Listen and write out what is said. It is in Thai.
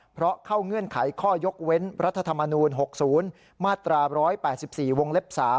เพราะเข้าเงื่อนไขข้อยกเว้นรัฐธรรมนูล๖๐มาตรา๑๘๔วงเล็บ๓